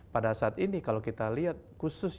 pada saat ini kalau kita lihat khusus